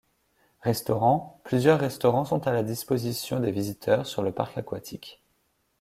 Restaurants: Plusieurs restaurants sont à la disposition des visiteurs sur le parc aquatique.